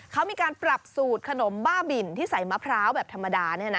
เขามีการปรับสูตรขนมบ้าบินที่ใส่มะพร้าวแบบธรรมดาเนี่ยนะ